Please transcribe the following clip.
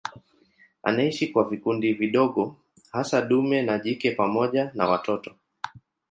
Anaishi kwa vikundi vidogo hasa dume na jike pamoja na watoto.